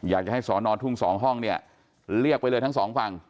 อยากจะให้สอนอทุ่ง๒ห้องเนี่ยเรียกไปเลยทั้งสองฝั่ง